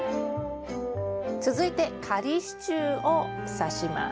続いて仮支柱をさします。